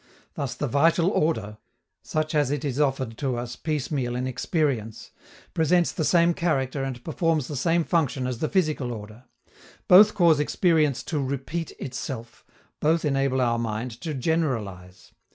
Thus the vital order, such as it is offered to us piecemeal in experience, presents the same character and performs the same function as the physical order: both cause experience to repeat itself, both enable our mind to generalize.